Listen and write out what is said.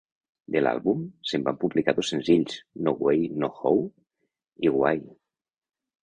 De l'àlbum, se'n van publicar dos senzills: "No Way No How" i "Why".